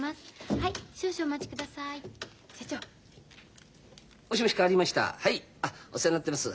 はいあお世話になっております。